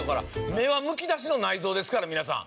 目はむき出しの内臓ですから皆さん。